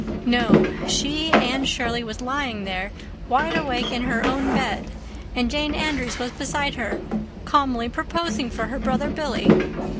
No, she, Anne Shirley, was lying there, wide awake, in her own bed, and Jane Andrews was beside her, calmly proposing for her brother Billy.